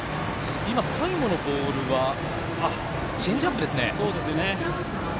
今、最後のボールはチェンジアップですね。